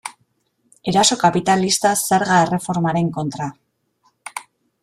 Eraso kapitalista zerga erreformaren kontra.